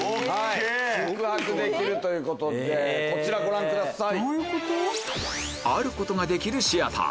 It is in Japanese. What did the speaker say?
宿泊できるということでこちらご覧ください。